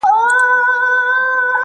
له خوښيه ابليس وكړله چيغاره `